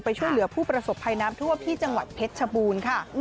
ช่วยเหลือผู้ประสบภัยน้ำท่วมที่จังหวัดเพชรชบูรณ์ค่ะ